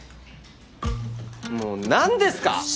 もうなんですか！？